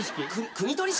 くみ取り式？